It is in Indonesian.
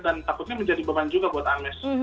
dan takutnya menjadi beban juga buat unmesh